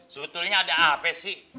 sebetulnya ada apa sih